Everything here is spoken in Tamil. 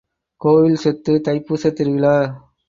கோவில் சொத்து தைப்பூசத் திருவிழா!